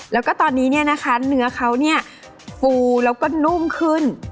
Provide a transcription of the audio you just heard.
แล้วก็ตอนนี้เนื้อเขาเนี่ยฟูแล้วก็นุ่มขึ้น